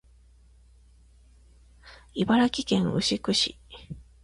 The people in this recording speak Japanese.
茨城県牛久市